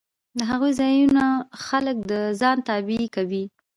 د هغو ځایونو خلک د ځان تابع کوي